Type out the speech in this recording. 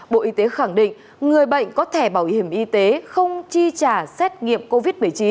bộ y tế khẳng định người bệnh có thẻ bảo hiểm y tế không chi trả xét nghiệm covid một mươi chín